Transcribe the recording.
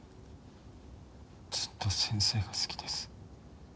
ずっと先生が好きです。